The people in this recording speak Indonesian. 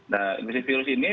nah infeksi virus ini